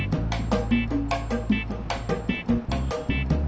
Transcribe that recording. nah bisa battlein nya